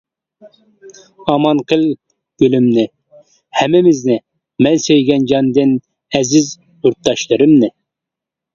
ئامان قىل گۈلۈمنى، ھەممىمىزنى، مەن سۆيگەن جاندىن ئەزىز يۇرتداشلىرىمنى!